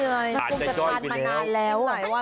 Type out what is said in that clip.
อาจจะย่อยไปแล้วเดรวงกระทานมานานแล้วมันจะทรายวันแล้ว